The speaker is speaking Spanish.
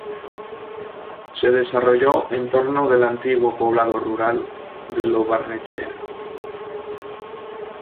Se desarrolló en torno del antiguo poblado rural de Lo Barnechea.